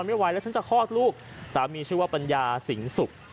นอนไม่ไหวและชนจะคลอดลูกตามมีชื่อว่าปัญญาสิงสุก